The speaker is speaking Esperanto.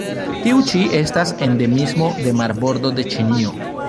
Tiu ĉi estas endemismo de marbordo de Ĉinio.